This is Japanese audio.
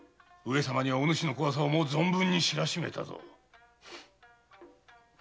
上様にはおぬしの怖さをもう存分に知らしめたぞ。